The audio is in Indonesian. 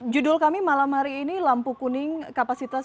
judul kami malam hari ini lampu kuning kapasitas